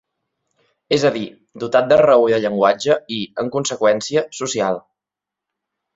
És a dir, dotat de raó i de llenguatge, i, en conseqüència, social.